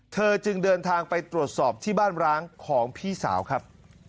เธอจึงเดินทางไปตรวจสอบที่บ้านร้างของพี่สาวครับ